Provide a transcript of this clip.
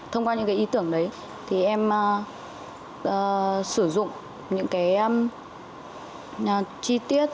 thông qua những cái ý tưởng đấy thì em sử dụng những cái chi tiết